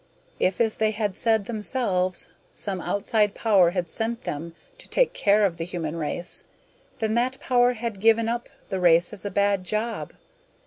If, as they had said themselves, some outside power had sent them to take care of the human race, then that power had given up the race as a bad job.